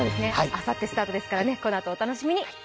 あさってスタートですからこのあと、お楽しみに。